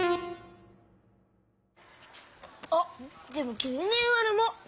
あっでもぎゅうにゅうはのもう！